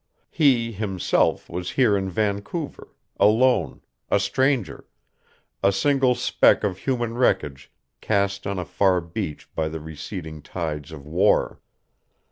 He, himself, was here in Vancouver, alone, a stranger, a single speck of human wreckage cast on a far beach by the receding tides of war.